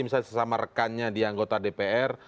misalnya sesama rekannya di anggota dpr